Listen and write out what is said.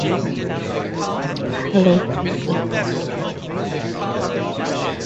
This suggests that Jupiter sometimes gains and loses small moons through collisions.